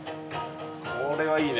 これはいいね。